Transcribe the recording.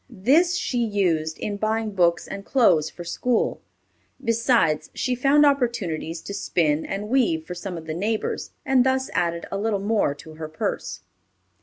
This she used in buying books and clothes for school. Besides, she found opportunities to spin and weave for some of the neighbors, and thus added a little more to her purse.